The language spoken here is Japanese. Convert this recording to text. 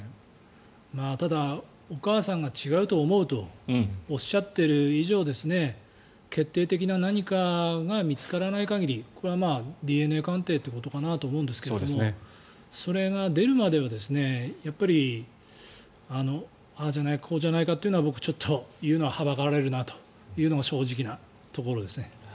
ただ、お母さんが違うと思うとおっしゃっている以上決定的な何かが見つからない限りこれはＤＮＡ鑑定ということかなと思うんですがそれが出るまではやっぱりああじゃないかこうじゃないかというのは僕はちょっと言うのははばかられるのが正直なところですね。